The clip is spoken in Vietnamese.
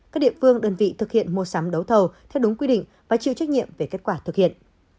các địa phương đơn vị thực hiện mua sắm đấu thầu theo đúng quy định và chịu trách nhiệm về kết quả thực hiện